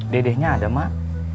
dedehnya ada mak